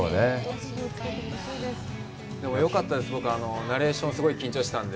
でもよかったです、僕、ナレーション、すごい緊張してたんで。